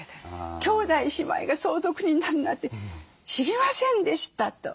「兄弟姉妹が相続人になるなんて知りませんでした」と。